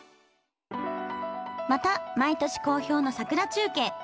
また毎年好評の桜中継。